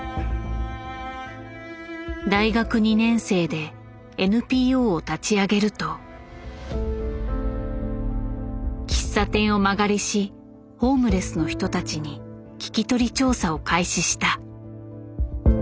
大学２年生でＮＰＯを立ち上げると喫茶店を間借りしホームレスの人たちに聞き取り調査を開始した。